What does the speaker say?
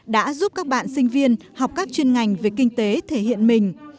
đã giúp các bạn sinh viên học các chuyên ngành về kinh tế thể hiện mình